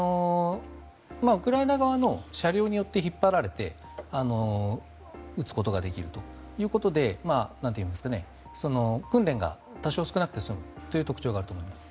ウクライナ側の車両によって引っ張られて撃つことができるということで訓練が多少、少なくて済むという特徴があると思います。